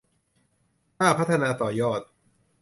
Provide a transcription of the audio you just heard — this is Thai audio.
น่าพัฒนาต่อยอด